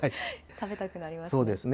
食べたくなりますね。